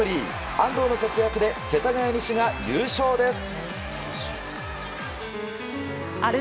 安藤の活躍で世田谷西が優勝です！